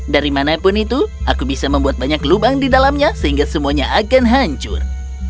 dari manapun itu aku bisa membuat banyak lubang di dalamnya sehingga semuanya akan hancur